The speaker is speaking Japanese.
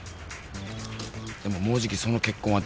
でももうじきその結婚はダメになる。